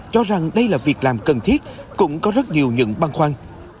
cho rằng đây là việc làm cần thiết cũng có rất nhiều những băn khoăn